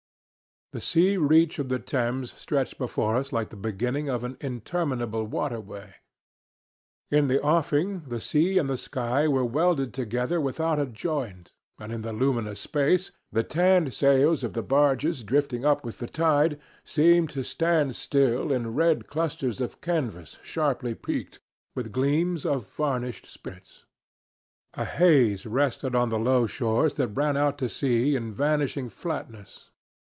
The sea reach of the Thames stretched before us like the beginning of an interminable waterway. In the offing the sea and the sky were welded together without a joint, and in the luminous space the tanned sails of the barges drifting up with the tide seemed to stand still in red clusters of canvas sharply peaked, with gleams of varnished sprits. A haze rested on the low shores that ran out to sea in vanishing flatness.